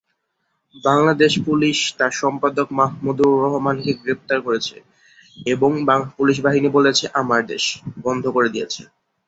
Bangladesh police তার সম্পাদক মাহমুদুর রহমানকে গ্রেপ্তার করেছে এবং পুলিশ বাহিনী ব্যবহার করে "আমার দেশ" বন্ধ করে দিয়েছে।